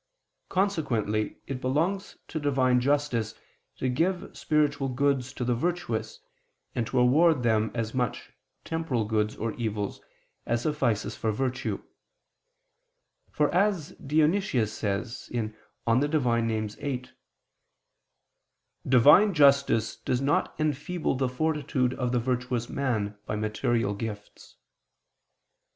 Consequently it belongs to Divine justice to give spiritual goods to the virtuous, and to award them as much temporal goods or evils, as suffices for virtue: for, as Dionysius says (Div. Nom. viii), "Divine justice does not enfeeble the fortitude of the virtuous man, by material gifts."